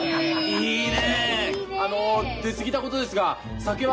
いいねえ。